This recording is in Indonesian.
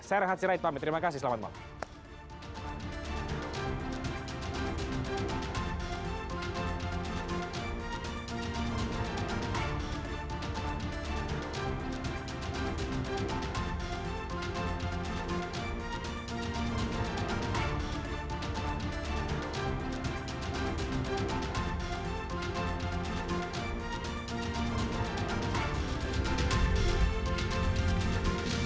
saya rahat sirahid pamit terima kasih selamat malam